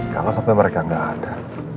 kalau sampai mereka nggak ada